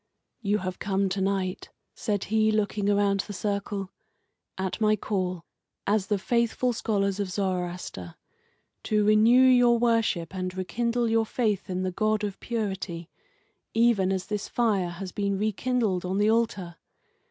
"You have come to night," said he, looking around the circle, "at my call, as the faithful scholars of Zoroaster, to renew your worship and rekindle your faith in the God of Purity, even as this fire has been rekindled on the altar.